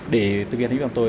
để thực hiện hình ảnh của tôi